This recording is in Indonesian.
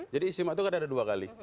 jadi istimewa itu ada dua kali